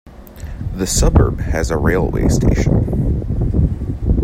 The suburb has a railway station.